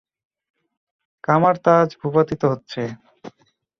কামার-তাজ ভূপাতিত হচ্ছে।